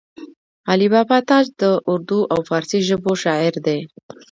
علي بابا تاج د اردو او فارسي ژبو شاعر دی